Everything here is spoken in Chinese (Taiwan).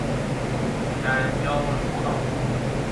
竹山交流道